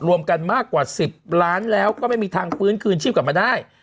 รวมกันมากกว่า๑๐ล้านแล้วก็ไม่มีทางฟื้นคืนชีพกลับมาได้